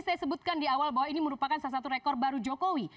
saya sebutkan di awal bahwa ini merupakan salah satu rekor baru jokowi